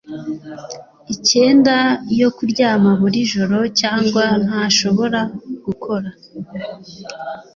icyenda yo kuryama buri joro cyangwa ntashobora gukora